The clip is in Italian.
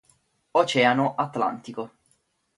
Oceano Atlantico.